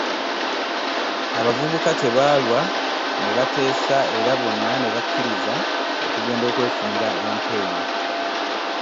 Abavubuka tebaalwa ne bateesa era bonna ne bakkiriza okugenda okwefunira ente eyo.